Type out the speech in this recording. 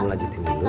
kamu lanjutin dulu